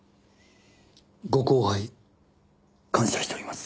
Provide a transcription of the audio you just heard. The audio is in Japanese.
ご高配感謝しております。